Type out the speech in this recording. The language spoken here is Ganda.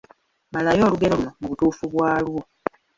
Malayo olugero luno mu butuufu bwalwo.